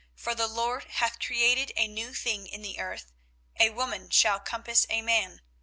for the LORD hath created a new thing in the earth, A woman shall compass a man.